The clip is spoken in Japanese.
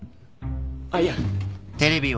あっいや。